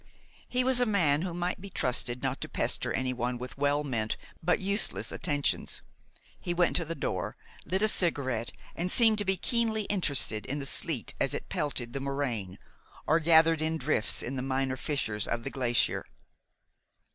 He was a man who might be trusted not to pester anyone with well meant but useless attentions. He went to the door, lit a cigarette, and seemed to be keenly interested in the sleet as it pelted the moraine or gathered in drifts in the minor fissures of the glacier.